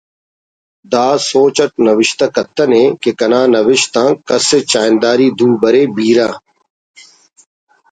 دا سوچ اٹ نوشتہ کتنے کہ کنا نوشت آن کس ءِ چاہنداری دو برے بیرہ